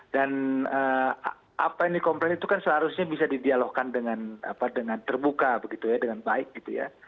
dan apa yang dikomplain itu kan seharusnya bisa didialogkan dengan terbuka begitu ya dengan baik gitu ya